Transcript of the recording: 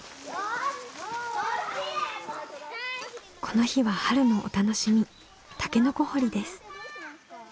この日は春のお楽しみタケノコ掘りです。